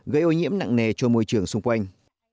gây ô nhiễm nặng nề cho môi trường xung quanh